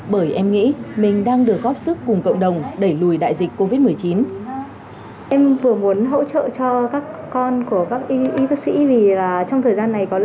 bởi em nghĩ mình đang được góp sức cùng cộng đồng đẩy lùi đại dịch covid một mươi chín